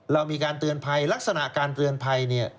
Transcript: เรามีการเตือนภัยลักษณะการเตือนภัยเนี่ย